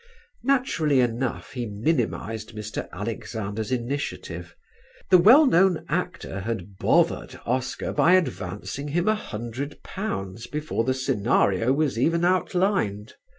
Naturally enough he minimised Mr. Alexander's initiative. The well known actor had "bothered" Oscar by advancing him £100 before the scenario was even outlined.